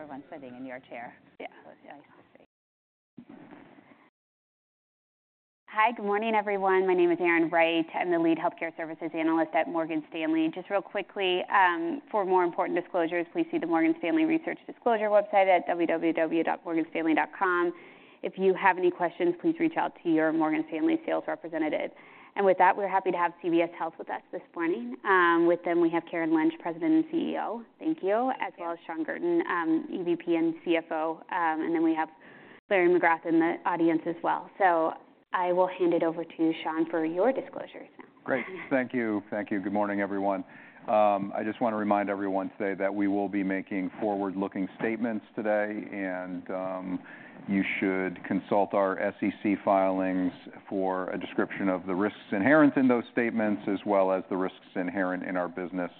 Everyone sitting in your chair. Yeah. Nice to see. Hi, good morning, everyone. My name is Erin Wright. I'm the Lead Healthcare Services Analyst at Morgan Stanley. Just real quickly, for more important disclosures, please see the Morgan Stanley Research Disclosure website at www.morganstanley.com. If you have any questions, please reach out to your Morgan Stanley sales representative. And with that, we're happy to have CVS Health with us this morning. With them, we have Karen Lynch, President and CEO. Thank you. Yes. As well as Shawn Guertin, EVP and CFO. And then we have Larry McGrath in the audience as well. So I will hand it over to you, Shawn, for your disclosures now. Great. Thank you. Thank you. Good morning, everyone. I just want to remind everyone today that we will be making forward-looking statements today, and you should consult our SEC filings for a description of the risks inherent in those statements, as well as the risks inherent in our business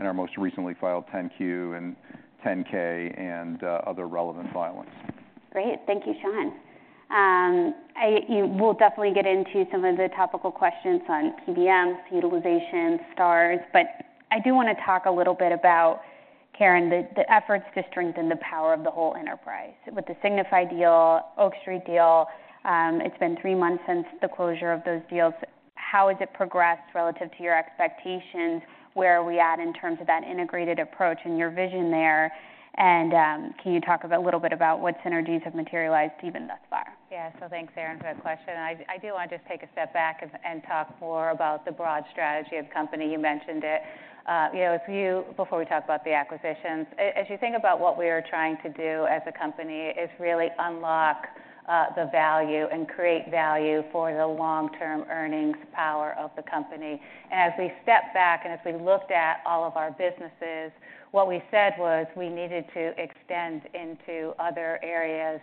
in our most recently filed 10-Q and 10-K and other relevant filings. Great. Thank you, Shawn. We'll definitely get into some of the topical questions on PBMs, utilization, Stars, but I do want to talk a little bit about, Karen, the efforts to strengthen the power of the whole enterprise. With the Signify deal, Oak Street deal, it's been three months since the closure of those deals. How has it progressed relative to your expectations? Where are we at in terms of that integrated approach and your vision there? And, can you talk a little bit about what synergies have materialized even thus far? Yeah. So thanks, Erin, for that question. I do want to just take a step back and talk more about the broad strategy of the company. You mentioned it. You know, before we talk about the acquisitions, as you think about what we are trying to do as a company, is really unlock the value and create value for the long-term earnings power of the company. And as we step back and as we looked at all of our businesses, what we said was we needed to extend into other areas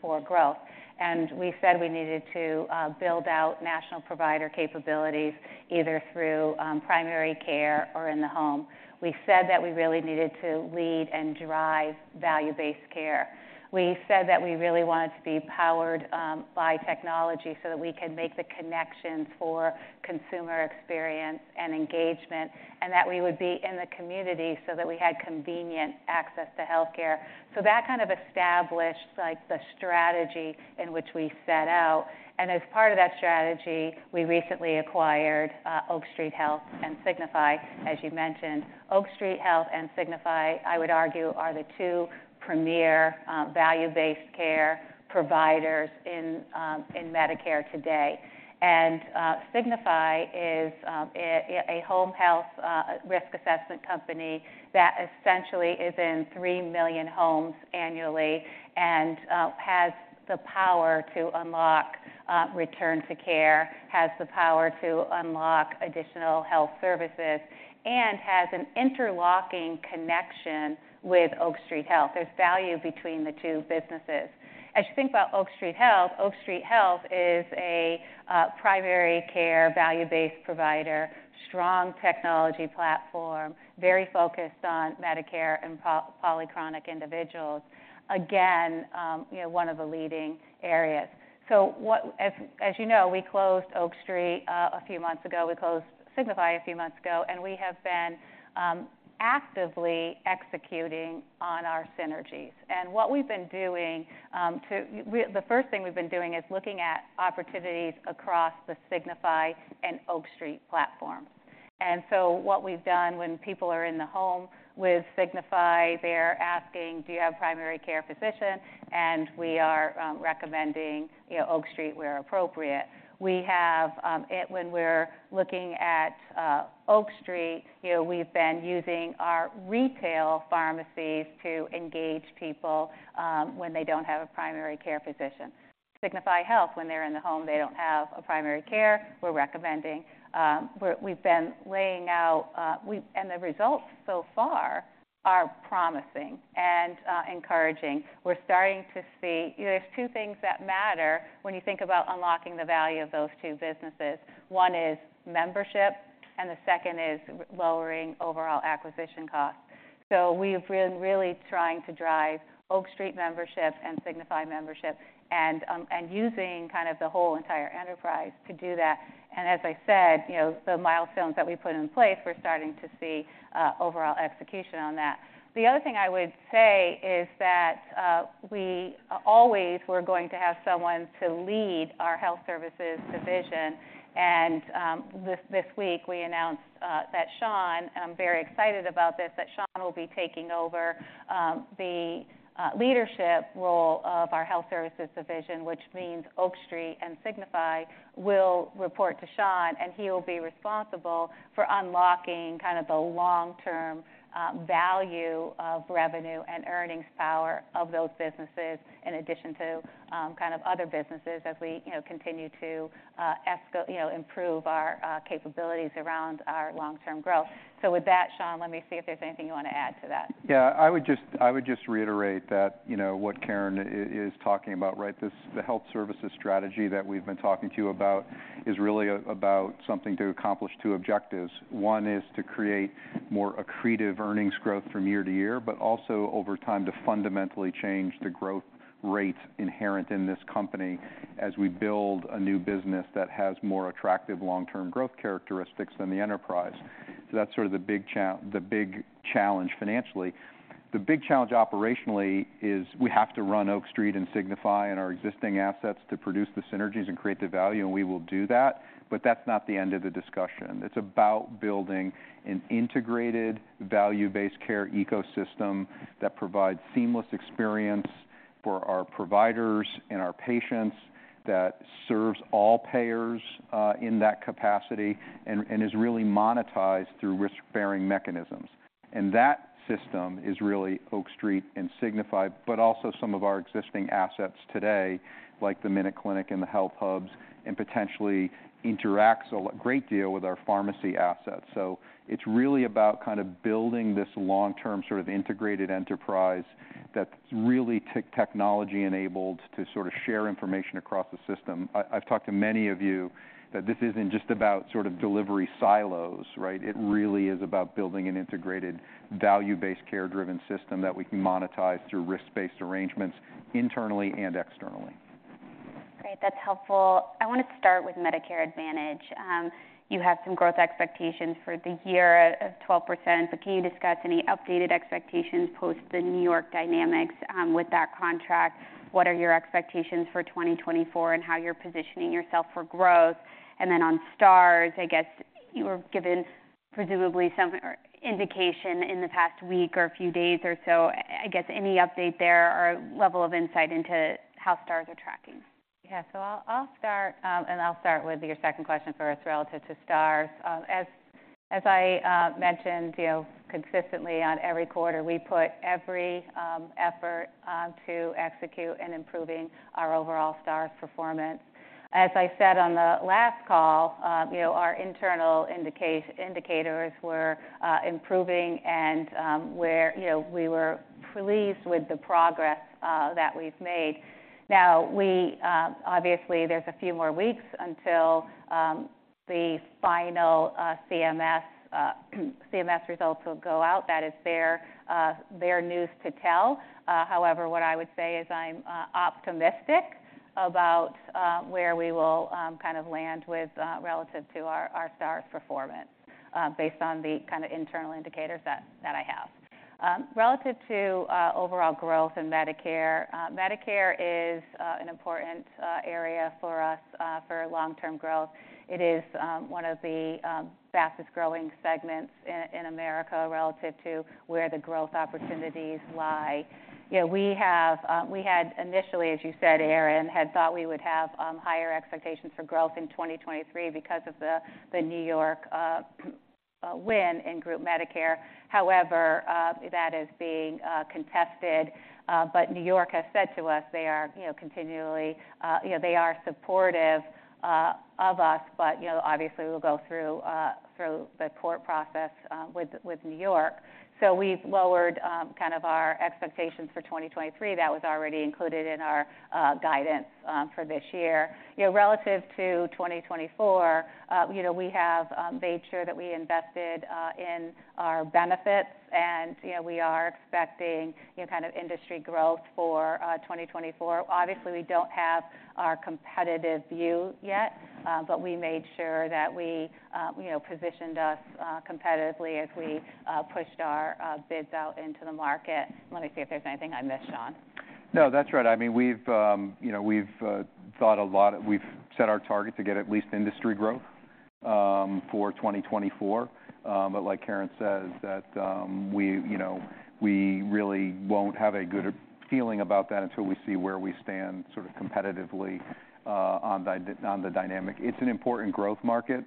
for growth. And we said we needed to build out national provider capabilities, either through primary care or in the home. We said that we really needed to lead and drive value-based care. We said that we really wanted to be powered by technology so that we could make the connections for consumer experience and engagement, and that we would be in the community so that we had convenient access to healthcare. So that kind of established, like, the strategy in which we set out, and as part of that strategy, we recently acquired Oak Street Health and Signify, as you mentioned. Oak Street Health and Signify, I would argue, are the two premier value-based care providers in Medicare today. Signify is a home health risk assessment company that essentially is in 3 million homes annually and has the power to unlock return to care, has the power to unlock additional health services, and has an interlocking connection with Oak Street Health. There's value between the two businesses. As you think about Oak Street Health, Oak Street Health is a primary care, value-based provider, strong technology platform, very focused on Medicare and polychronic individuals. Again, you know, one of the leading areas. So what... As you know, we closed Oak Street a few months ago. We closed Signify a few months ago, and we have been actively executing on our synergies. And what we've been doing... We... The first thing we've been doing is looking at opportunities across the Signify and Oak Street platform. And so what we've done when people are in the home with Signify, they're asking: "Do you have a primary care physician?" And we are recommending, you know, Oak Street, where appropriate. We have. When we're looking at Oak Street, you know, we've been using our retail pharmacies to engage people when they don't have a primary care physician. Signify Health, when they're in the home, they don't have a primary care, we're recommending. We've been laying out. And the results so far are promising and encouraging. We're starting to see... There's two things that matter when you think about unlocking the value of those two businesses. One is membership, and the second is lowering overall acquisition costs. So we've been really trying to drive Oak Street membership and Signify membership and using kind of the whole entire enterprise to do that. And as I said, you know, the milestones that we put in place, we're starting to see overall execution on that. The other thing I would say is that, we always were going to have someone to lead our health services division, and, this, this week we announced, that Shawn, and I'm very excited about this, that Shawn will be taking over, the, leadership role of our health services division, which means Oak Street and Signify will report to Shawn, and he will be responsible for unlocking kind of the long-term, value of revenue and earnings power of those businesses, in addition to, kind of other businesses as we, you know, continue to, you know, improve our, capabilities around our long-term growth. So with that, Shawn, let me see if there's anything you want to add to that. Yeah, I would just, I would just reiterate that, you know, what Karen is talking about, right? This, the health services strategy that we've been talking to you about is really about something to accomplish two objectives. One is to create more accretive earnings growth from year to year, but also over time, to fundamentally change the growth rates inherent in this company as we build a new business that has more attractive long-term growth characteristics than the enterprise. So that's sort of the big challenge financially. The big challenge operationally is we have to run Oak Street and Signify and our existing assets to produce the synergies and create the value, and we will do that, but that's not the end of the discussion. It's about building an integrated, value-based care ecosystem that provides seamless experience for our providers and our patients, that serves all payers, in that capacity, and is really monetized through risk-bearing mechanisms. That system is really Oak Street and Signify, but also some of our existing assets today, like the MinuteClinic and the HealthHUB, and potentially interacts a great deal with our pharmacy assets. It's really about kind of building this long-term, sort of integrated enterprise that's really technology-enabled to sort of share information across the system. I've talked to many of you that this isn't just about sort of delivery silos, right? It really is about building an integrated, value-based, care-driven system that we can monetize through risk-based arrangements, internally and externally. Great, that's helpful. I want to start with Medicare Advantage. You have some growth expectations for the year of 12%, but can you discuss any updated expectations post the New York dynamics with that contract? What are your expectations for 2024, and how you're positioning yourself for growth? And then on Stars, I guess you were given presumably some indication in the past week or a few days or so. I guess any update there or level of insight into how Stars are tracking? Yeah, so I'll start with your second question first, relative to Stars. As I mentioned, you know, consistently on every quarter, we put every effort to execute in improving our overall Stars performance. As I said on the last call, you know, our internal indicators were improving, and we're you know we were pleased with the progress that we've made. Now, we obviously, there's a few more weeks until the final CMS results will go out. That is their news to tell. However, what I would say is I'm optimistic about where we will kind of land with relative to our Stars performance based on the kind of internal indicators that I have. Relative to overall growth in Medicare, Medicare is an important area for us for long-term growth. It is one of the fastest-growing segments in America relative to where the growth opportunities lie. You know, we had initially, as you said, Erin, had thought we would have higher expectations for growth in 2023 because of the New York win in Group Medicare. However, that is being contested, but New York has said to us they are, you know, continually, you know, they are supportive of us. But, you know, obviously, we'll go through the court process with New York. So we've lowered kind of our expectations for 2023. That was already included in our guidance for this year. You know, relative to 2024, you know, we have made sure that we invested in our benefits, and, you know, we are expecting, you know, kind of industry growth for 2024. Obviously, we don't have our competitive view yet, but we made sure that we, you know, positioned us competitively as we pushed our bids out into the market. Let me see if there's anything I missed, Shawn. No, that's right. I mean, we've, you know, we've thought a lot. We've set our target to get at least industry growth for 2024. But like Karen says, that we, you know, we really won't have a good feeling about that until we see where we stand sort of competitively on the dynamic. It's an important growth market.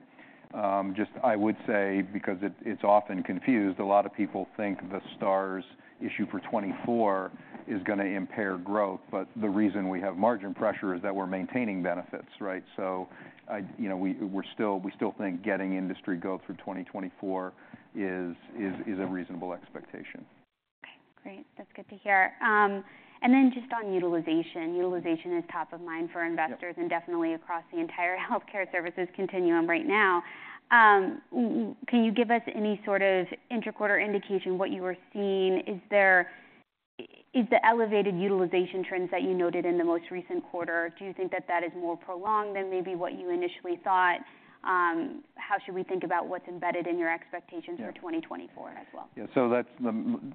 Just, I would say, because it's often confused, a lot of people think the Stars issue for 2024 is gonna impair growth, but the reason we have margin pressure is that we're maintaining benefits, right? So, you know, we're still think getting industry growth through 2024 is a reasonable expectation. Okay, great. That's good to hear. And then just on utilization. Utilization is top of mind for investors- Yeah... and definitely across the entire healthcare services continuum right now. Can you give us any sort of inter-quarter indication what you are seeing? Is there, is the elevated utilization trends that you noted in the most recent quarter, do you think that that is more prolonged than maybe what you initially thought? How should we think about what's embedded in your expectations- Yeah -for 2024 as well? Yeah, so that's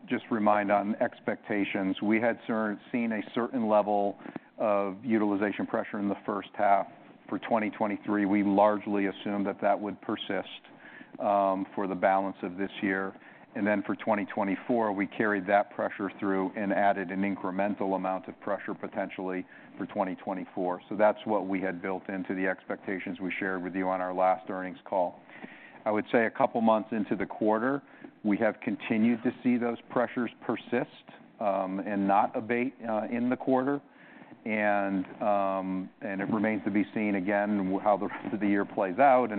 just remind on expectations. We had seen a certain level of utilization pressure in the first half for 2023. We largely assumed that that would persist for the balance of this year. Then for 2024, we carried that pressure through and added an incremental amount of pressure, potentially for 2024. That's what we had built into the expectations we shared with you on our last earnings call. I would say a couple months into the quarter, we have continued to see those pressures persist and not abate in the quarter. It remains to be seen again how the rest of the year plays out,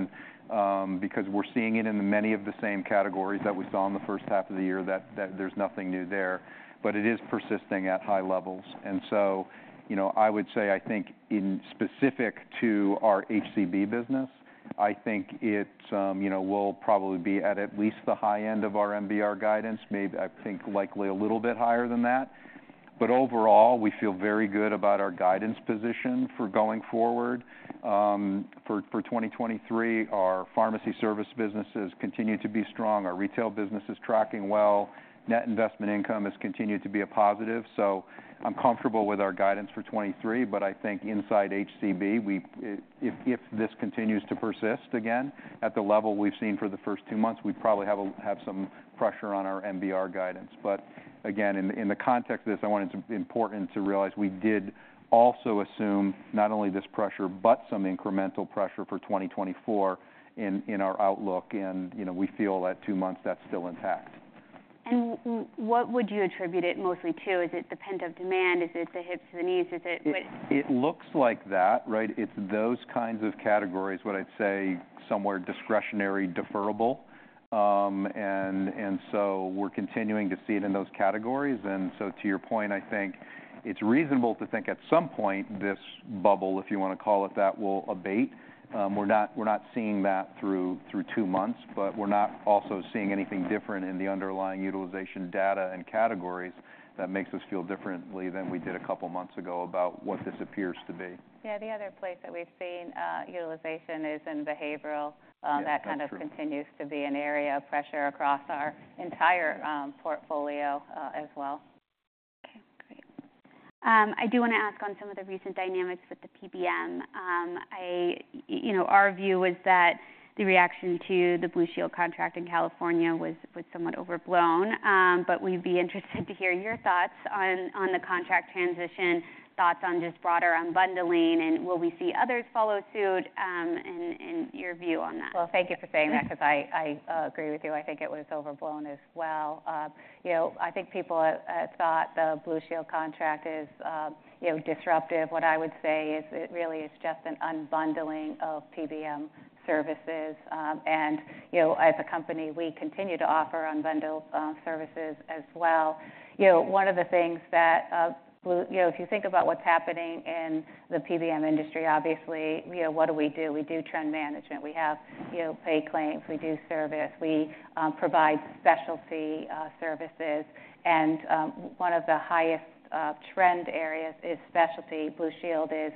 and because we're seeing it in many of the same categories that we saw in the first half of the year, that there's nothing new there. But it is persisting at high levels. And so, you know, I would say, I think in specific to our HCB business, I think it's, you know, we'll probably be at least the high end of our MBR guidance, maybe, I think, likely a little bit higher than that. But overall, we feel very good about our guidance position for going forward. For 2023, our pharmacy service businesses continue to be strong. Our retail business is tracking well. Net investment income has continued to be a positive, so I'm comfortable with our guidance for 2023. But I think inside HCB, we, if this continues to persist again, at the level we've seen for the first two months, we'd probably have some pressure on our MBR guidance. But again, in the context of this, I want it to be important to realize we did also assume not only this pressure, but some incremental pressure for 2024 in our outlook, and, you know, we feel at two months that's still intact. What would you attribute it mostly to? Is it the pent-up demand? Is it the hips, the knees, is it what? It looks like that, right? It's those kinds of categories, what I'd say, somewhere discretionary, deferrable. And so we're continuing to see it in those categories. And so to your point, I think it's reasonable to think at some point, this bubble, if you wanna call it that, will abate. We're not seeing that through two months, but we're not also seeing anything different in the underlying utilization data and categories that makes us feel differently than we did a couple of months ago about what this appears to be. Yeah, the other place that we've seen utilization is in behavioral. Yeah, that's true. That kind of continues to be an area of pressure across our entire portfolio, as well. Okay, great. I do wanna ask on some of the recent dynamics with the PBM. You know, our view is that the reaction to the Blue Shield contract in California was somewhat overblown. But we'd be interested to hear your thoughts on the contract transition, thoughts on just broader unbundling, and will we see others follow suit, and your view on that? Well, thank you for saying that because I agree with you. I think it was overblown as well. You know, I think people thought the Blue Shield contract is, you know, disruptive. What I would say is it really is just an unbundling of PBM services. And, you know, as a company, we continue to offer unbundled services as well. You know, one of the things that you know, if you think about what's happening in the PBM industry, obviously, you know, what do we do? We do trend management. We have, you know, pay claims, we do service, we provide specialty services. And one of the highest trend areas is specialty. Blue Shield is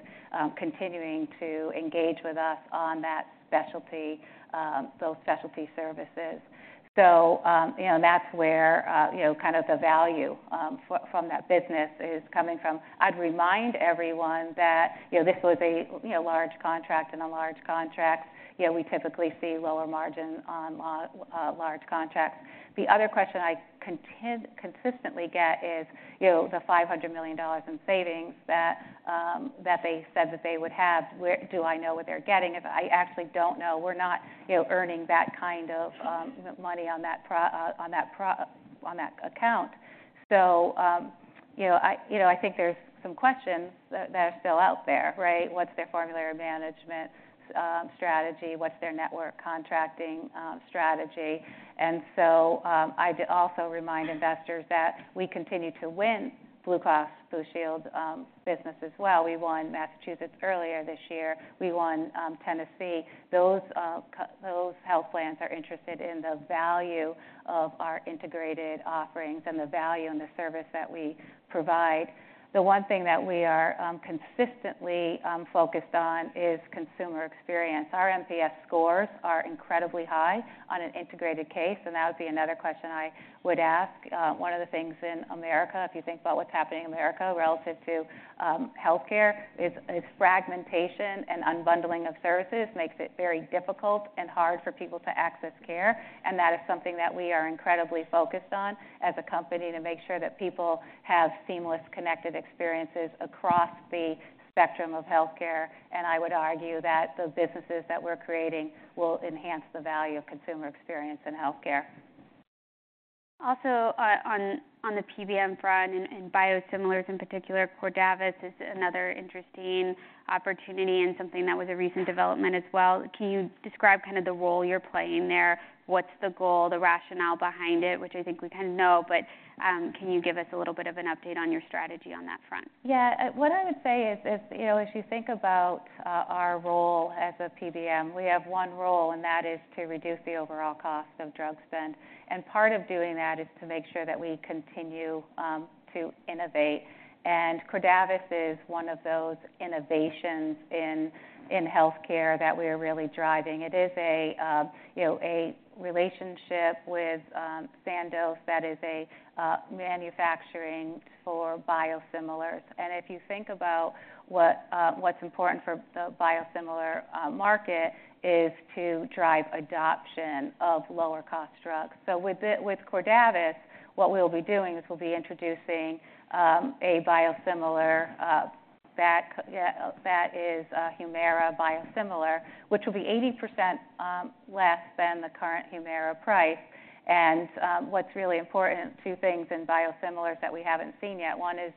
continuing to engage with us on that specialty, those specialty services. So, you know, that's where, you know, kind of the value from that business is coming from. I'd remind everyone that, you know, this was a, you know, large contract, and a large contract, you know, we typically see lower margin on large contracts. The other question I consistently get is, you know, the $500 million in savings that, that they said that they would have, do I know what they're getting? If I actually don't know, we're not, you know, earning that kind of money on that, on that account. So, you know, I, you know, I think there's some questions that, that are still out there, right? What's their formulary management strategy? What's their network contracting strategy? And so, I'd also remind investors that we continue to win Blue Cross Blue Shield business as well. We won Massachusetts earlier this year. We won Tennessee. Those health plans are interested in the value of our integrated offerings and the value and the service that we provide. The one thing that we are consistently focused on is consumer experience. Our NPS scores are incredibly high on an integrated case, and that would be another question I would ask. One of the things in America, if you think about what's happening in America relative to healthcare, is fragmentation and unbundling of services makes it very difficult and hard for people to access care, and that is something that we are incredibly focused on as a company, to make sure that people have seamless, connected experiences across the spectrum of healthcare. I would argue that the businesses that we're creating will enhance the value of consumer experience in healthcare. Also, on the PBM front and biosimilars in particular, Cordavis is another interesting opportunity and something that was a recent development as well. Can you describe kind of the role you're playing there? What's the goal, the rationale behind it, which I think we kind of know, but can you give us a little bit of an update on your strategy on that front? Yeah, what I would say is, you know, as you think about our role as a PBM, we have one role, and that is to reduce the overall cost of drug spend. And part of doing that is to make sure that we continue to innovate, and Cordavis is one of those innovations in healthcare that we are really driving. It is a, you know, a relationship with Sandoz that is a manufacturing for biosimilars. And if you think about what, what's important for the biosimilar market, is to drive adoption of lower-cost drugs. So with it, with Cordavis, what we'll be doing is we'll be introducing a biosimilar that, yeah, that is Humira biosimilar, which will be 80% less than the current Humira price. What's really important, two things in biosimilars that we haven't seen yet, one is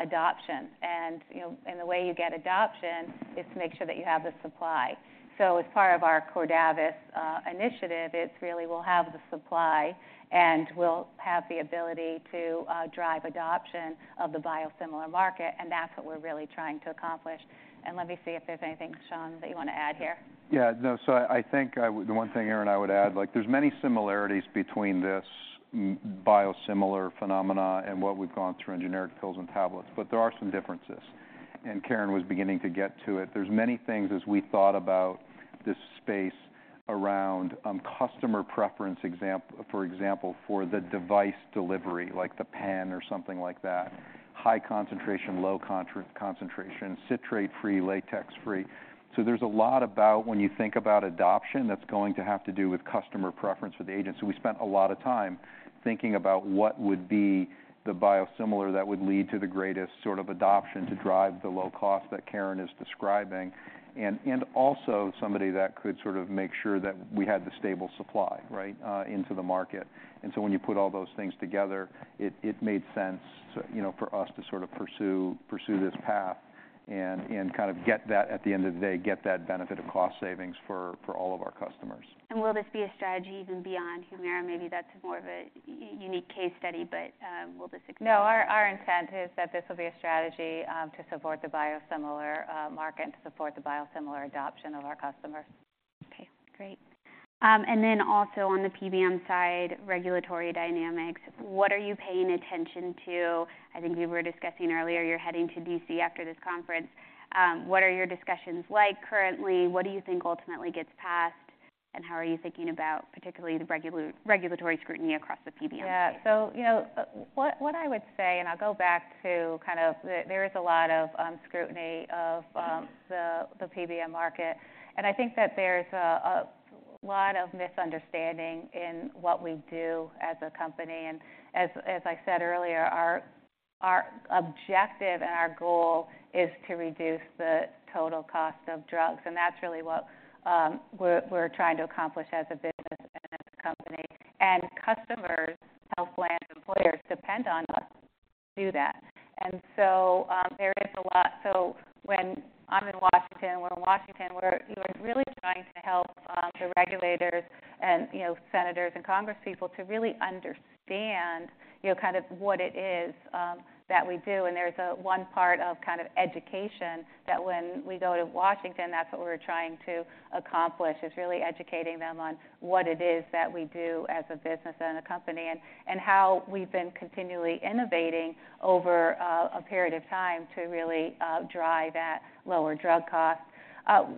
adoption. And, you know, and the way you get adoption is to make sure that you have the supply. So as part of our Cordavis initiative, it's really we'll have the supply, and we'll have the ability to drive adoption of the biosimilar market, and that's what we're really trying to accomplish. And let me see if there's anything, Shawn, that you want to add here. Yeah. No, so I think, the one thing, Erin, I would add, like, there's many similarities between this biosimilar phenomena and what we've gone through in generic pills and tablets, but there are some differences, and Karen was beginning to get to it. There's many things, as we thought about this space around, customer preference example, for example, for the device delivery, like the pen or something like that, high concentration, low concentration, citrate-free, latex-free. So there's a lot about when you think about adoption, that's going to have to do with customer preference for the agent. So we spent a lot of time thinking about what would be the biosimilar that would lead to the greatest sort of adoption to drive the low cost that Karen is describing, and also somebody that could sort of make sure that we had the stable supply, right, into the market. And so when you put all those things together, it made sense, you know, for us to sort of pursue this path and kind of get that at the end of the day, get that benefit of cost savings for all of our customers. Will this be a strategy even beyond Humira? Maybe that's more of a unique case study, but will this- No, our intent is that this will be a strategy to support the biosimilar market and to support the biosimilar adoption of our customers. Okay, great. And then also on the PBM side, regulatory dynamics, what are you paying attention to? I think you were discussing earlier, you're heading to D.C. after this conference. What are your discussions like currently? What do you think ultimately gets passed, and how are you thinking about particularly the regulatory scrutiny across the PBM? Yeah. So, you know, what I would say, and I'll go back to there is a lot of scrutiny of the PBM market, and I think that there's a lot of misunderstanding in what we do as a company, and as I said earlier, our objective and our goal is to reduce the total cost of drugs, and that's really what we're trying to accomplish as a business and as a company. And customers, health plans, employers depend on us to do that. And so there is a lot. So when I'm in Washington, we're, you know, really trying to help the regulators and, you know, senators and congresspeople to really understand, you know, kind of what it is that we do. There's one part of kind of education that when we go to Washington, that's what we're trying to accomplish, is really educating them on what it is that we do as a business and a company, and how we've been continually innovating over a period of time to really drive at lower drug costs.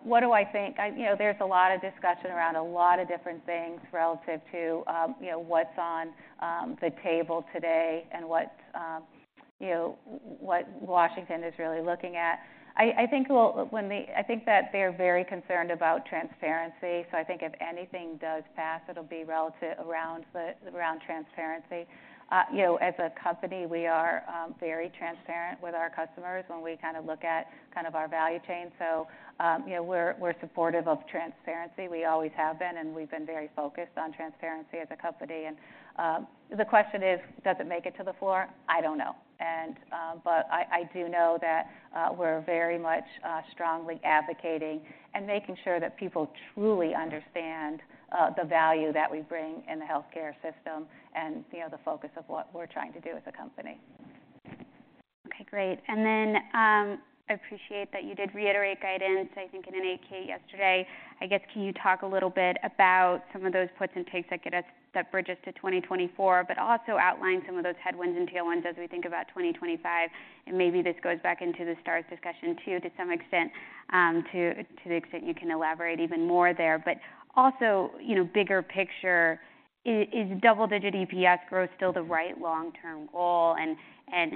What do I think? You know, there's a lot of discussion around a lot of different things relative to, you know, what's on the table today and what, you know, what Washington is really looking at. I think that they're very concerned about transparency, so I think if anything does pass, it'll be relative around transparency. You know, as a company, we are very transparent with our customers when we kind of look at kind of our value chain. So, you know, we're supportive of transparency. We always have been, and we've been very focused on transparency as a company. And the question is, does it make it to the floor? I don't know. But I do know that we're very much strongly advocating and making sure that people truly understand the value that we bring in the healthcare system and, you know, the focus of what we're trying to do as a company. Okay, great. And then, I appreciate that you did reiterate guidance, I think, in an 8-K yesterday. I guess, can you talk a little bit about some of those puts and takes that get us, that bridges to 2024, but also outline some of those headwinds and tailwinds as we think about 2025? And maybe this goes back into the stars discussion, too, to some extent, to the extent you can elaborate even more there. But also, you know, bigger picture, is double-digit EPS growth still the right long-term goal? And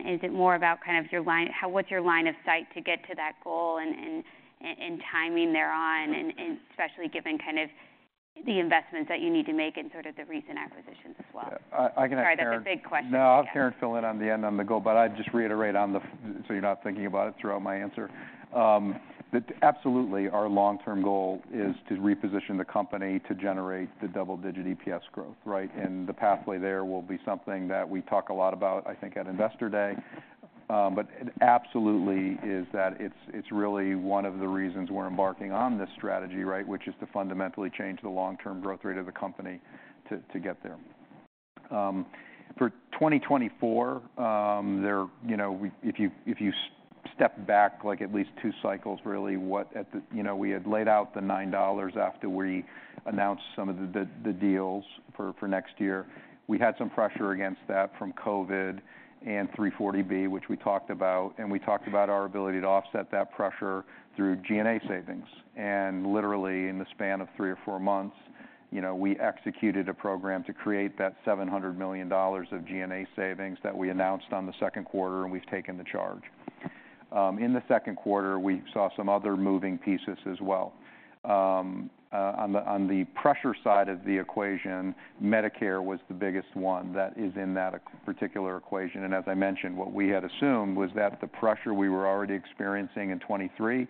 is it more about kind of your line of sight to get to that goal and timing thereon, and especially given kind of the investments that you need to make and sort of the recent acquisitions as well? I can- Sorry, that's a big question. No, I'll have Karen fill in on the end on the goal, but I'd just reiterate on the. So you're not thinking about it throughout my answer. But absolutely, our long-term goal is to reposition the company to generate the double-digit EPS growth, right? And the pathway there will be something that we talk a lot about, I think, at Investor Day. But it absolutely is that it's really one of the reasons we're embarking on this strategy, right, which is to fundamentally change the long-term growth rate of the company to get there. For 2024, you know, we, if you step back, like, at least two cycles, really. You know, we had laid out the $9 after we announced some of the deals for next year. We had some pressure against that from COVID and 340B, which we talked about, and we talked about our ability to offset that pressure through G&A savings. Literally, in the span of three or four months, you know, we executed a program to create that $700 million of G&A savings that we announced on the second quarter, and we've taken the charge. In the second quarter, we saw some other moving pieces as well. On the pressure side of the equation, Medicare was the biggest one that is in that particular equation. And as I mentioned, what we had assumed was that the pressure we were already experiencing in 2023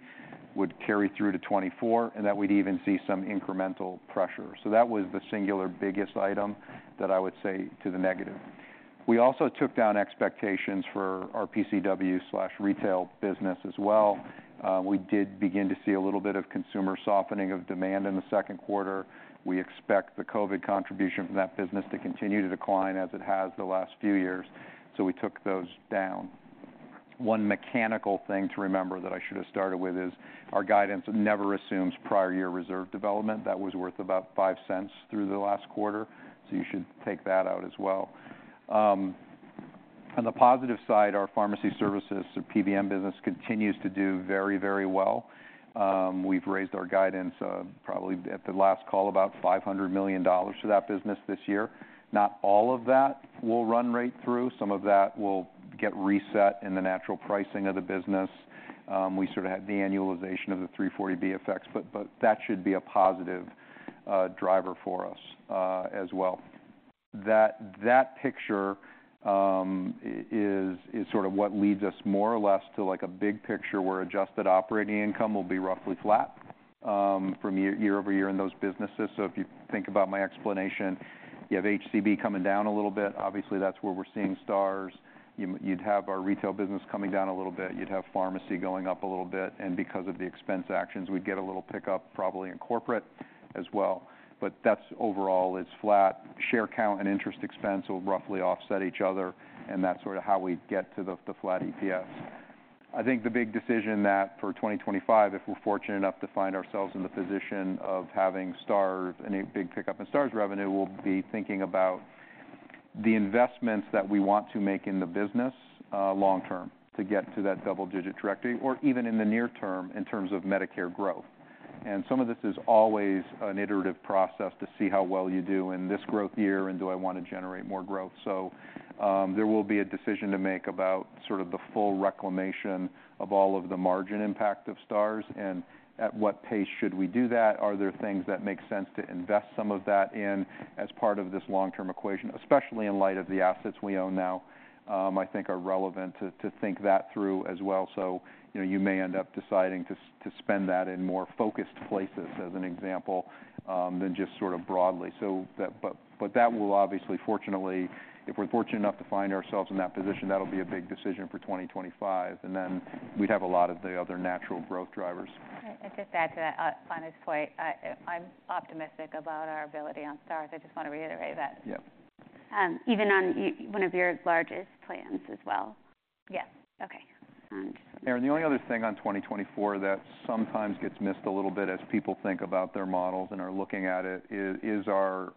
would carry through to 2024, and that we'd even see some incremental pressure. So that was the singular biggest item that I would say to the negative. We also took down expectations for our PCW/retail business as well. We did begin to see a little bit of consumer softening of demand in the second quarter. We expect the COVID contribution from that business to continue to decline as it has the last few years, so we took those down. One mechanical thing to remember that I should have started with is, our guidance never assumes prior year reserve development. That was worth about $0.05 through the last quarter, so you should take that out as well. On the positive side, our pharmacy services, so PBM business, continues to do very, very well. We've raised our guidance, probably at the last call, about $500 million to that business this year. Not all of that will run right through. Some of that will get reset in the natural pricing of the business. We sort of had de-annualization of the 340B effects, but, but that should be a positive driver for us as well. That picture is sort of what leads us more or less to, like, a big picture, where adjusted operating income will be roughly flat from year-over-year in those businesses. So if you think about my explanation, you have HCB coming down a little bit. Obviously, that's where we're seeing Stars. You'd have our retail business coming down a little bit. You'd have pharmacy going up a little bit, and because of the expense actions, we'd get a little pickup, probably in corporate as well. But that's overall, it's flat. Share count and interest expense will roughly offset each other, and that's sort of how we get to the flat EPS. I think the big decision for 2025, if we're fortunate enough to find ourselves in the position of having Stars... and a big pickup in Stars revenue, will be thinking about the investments that we want to make in the business, long term, to get to that double-digit trajectory, or even in the near term, in terms of Medicare growth. Some of this is always an iterative process to see how well you do in this growth year, and do I wanna generate more growth? So, there will be a decision to make about sort of the full reclamation of all of the margin impact of Stars, and at what pace should we do that? Are there things that make sense to invest some of that in as part of this long-term equation, especially in light of the assets we own now, I think are relevant to think that through as well. So, you know, you may end up deciding to spend that in more focused places, as an example, than just sort of broadly. So that. But that will obviously, fortunately, if we're fortunate enough to find ourselves in that position, that'll be a big decision for 2025, and then we'd have a lot of the other natural growth drivers. I'd just add to that, on this point, I'm optimistic about our ability on Stars. I just wanna reiterate that. Yeah. Even on one of your largest plans as well? Yes. Okay, and- Erin, the only other thing on 2024 that sometimes gets missed a little bit as people think about their models and are looking at it is our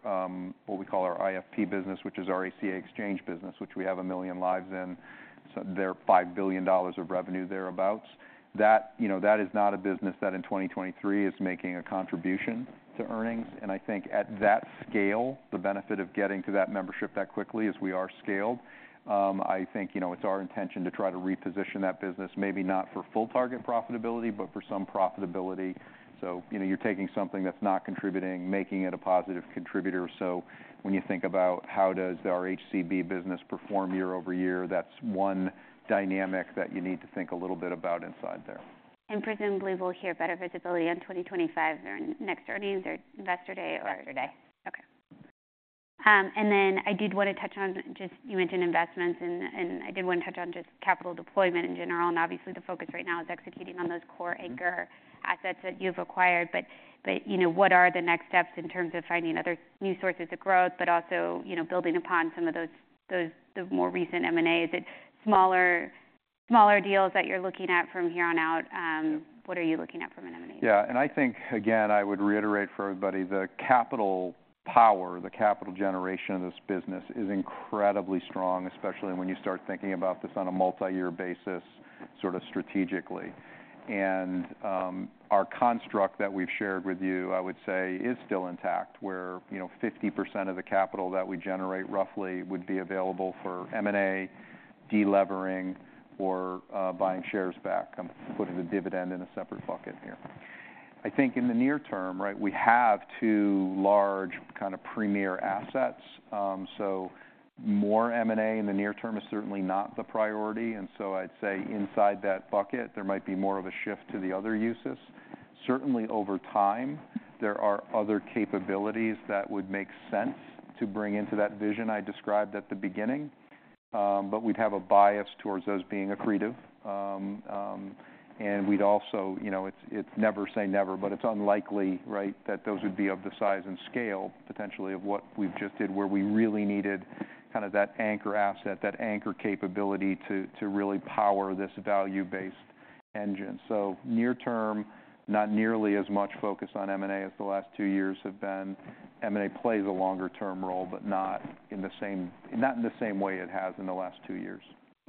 what we call our IFP business, which is our ACA exchange business, which we have 1 million lives in. So there're $5 billion of revenue thereabout. That, you know, that is not a business that in 2023 is making a contribution to earnings, and I think at that scale, the benefit of getting to that membership that quickly is we are scaled. I think, you know, it's our intention to try to reposition that business, maybe not for full target profitability, but for some profitability. So, you know, you're taking something that's not contributing, making it a positive contributor. When you think about how does our HCB business perform year-over-year, that's one dynamic that you need to think a little bit about inside there. Presumably, we'll hear better visibility on 2025 during next earnings or Investor Day or- Investor Day. Okay. And then I did wanna touch on just... You mentioned investments, and, and I did wanna touch on just capital deployment in general, and obviously, the focus right now is executing on those core anchor assets that you've acquired. But, but, you know, what are the next steps in terms of finding other new sources of growth, but also, you know, building upon some of those, those, the more recent M&As, the smaller, smaller deals that you're looking at from here on out. Yeah. What are you looking at from an M&A? Yeah, and I think, again, I would reiterate for everybody, the capital power, the capital generation of this business is incredibly strong, especially when you start thinking about this on a multi-year basis, sort of strategically. And our construct that we've shared with you, I would say, is still intact, where, you know, 50% of the capital that we generate roughly would be available for M&A, delevering, or buying shares back. I'm putting the dividend in a separate bucket here. I think in the near term, right, we have 2 large kind of premier assets. So more M&A in the near term is certainly not the priority, and so I'd say inside that bucket, there might be more of a shift to the other uses. Certainly, over time, there are other capabilities that would make sense to bring into that vision I described at the beginning, but we'd have a bias towards those being accretive. And we'd also, you know, it's, it's never say never, but it's unlikely, right, that those would be of the size and scale, potentially of what we've just did, where we really needed kind of that anchor asset, that anchor capability, to, to really power this value-based engine. So near term, not nearly as much focus on M&A as the last two years have been. M&A plays a longer-term role, but not in the same, not in the same way it has in the last two years.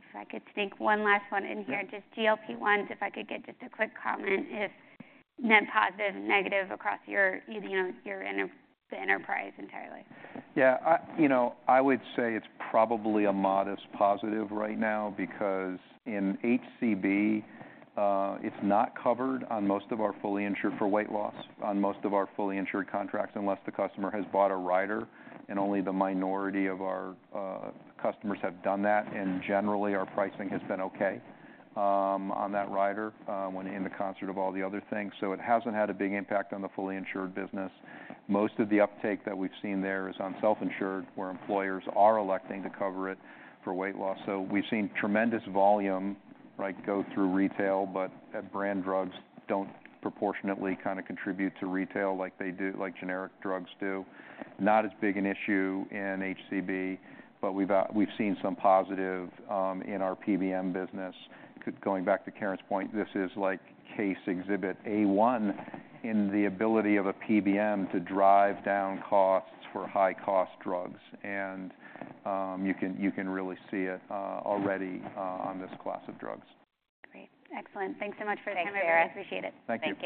If I could sneak one last one in here. Yeah. Just GLP-1, if I could get just a quick comment, if net positive, negative across your, you know, your enterprise entirely? Yeah, you know, I would say it's probably a modest positive right now, because in HCB, it's not covered on most of our fully insured for weight loss, on most of our fully insured contracts, unless the customer has bought a rider, and only the minority of our customers have done that, and generally, our pricing has been okay, on that rider, when in the context of all the other things. So it hasn't had a big impact on the fully insured business. Most of the uptake that we've seen there is on self-insured, where employers are electing to cover it for weight loss. So we've seen tremendous volume, right, go through retail, but that brand drugs don't proportionately kind of contribute to retail like they do like generic drugs do. Not as big an issue in HCB, but we've seen some positive in our PBM business. Going back to Karen's point, this is like case exhibit A1 in the ability of a PBM to drive down costs for high-cost drugs, and you can really see it already on this class of drugs. Great. Excellent. Thanks so much for the time. Thanks, Erin. I appreciate it. Thank you.